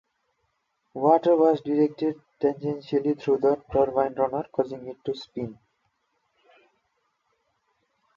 Water was directed tangentially through the turbine runner, causing it to spin.